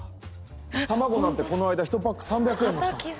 卵なんてこの間１パック３００円もした。